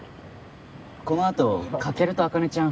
このあとカケルと茜ちゃん